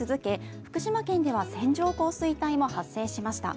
福島県では線状降水帯も発生しました。